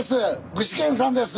具志堅さんです！